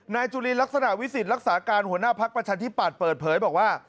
นายจุลีลักษณะวิสิทธิ์รักษาการหัวหน้าภักดิ์ประชาชนที่ปัดเปิดเผยบอกว่า